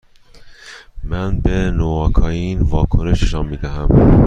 من به نواکائین واکنش نشان می دهم.